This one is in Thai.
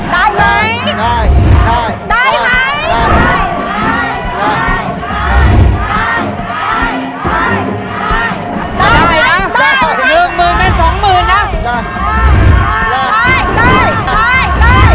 ได้ไม่ได้มาไป